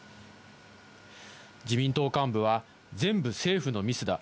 自民党幹部は、全部政府のミスだ。